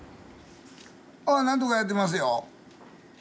ああなんとかやってますよ。